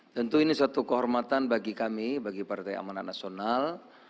tentu ini suatu kehormatan bagi kami bagi partai amanat nasional